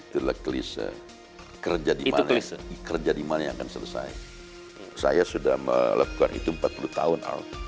telah klise kerja di indonesia kerja dimana yang selesai saya sudah melakukan itu empat puluh tahun